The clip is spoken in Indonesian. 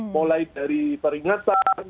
mulai dari peringatan